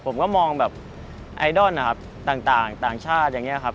ผมก็มองแบบไอดอลนะครับต่างชาติอย่างนี้ครับ